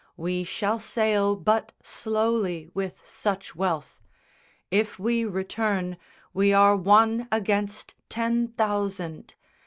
We shall sail But slowly with such wealth. If we return, We are one against ten thousand!